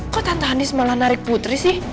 kok tante andis malah narik putri sih